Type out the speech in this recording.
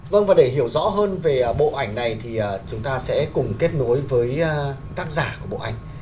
vâng và để hiểu rõ hơn về bộ ảnh này thì chúng ta sẽ cùng kết nối với tác giả của bộ ảnh